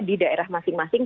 di daerah masing masing